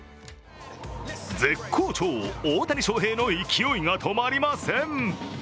絶好調・大谷翔平の勢いが止まりません。